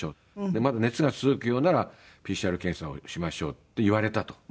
「まだ熱が続くようならＰＣＲ検査をしましょう」って言われたと。